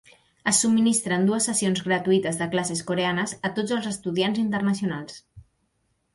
Es subministren dues sessions gratuïtes de classes coreanes a tots els estudiants internacionals.